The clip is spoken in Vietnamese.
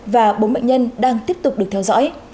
và bốn bệnh nhân đang tiếp tục được theo dõi